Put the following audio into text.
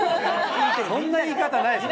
そんな言い方ないでしょ。